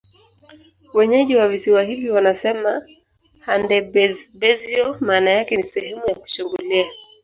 Wenyeji wa Visiwa hivi wanasema Handebezyo maana yake ni Sehemu ya kuchungulia